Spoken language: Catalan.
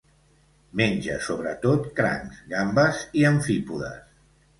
Menja sobretot crancs, gambes i amfípodes.